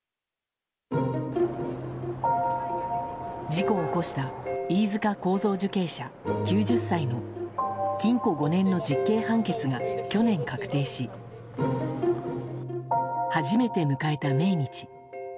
事故を起こした飯塚幸三受刑者、９０歳の禁錮５年の実刑判決が去年、確定し初めて迎えた命日。